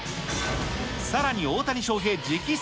さらに大谷翔平直筆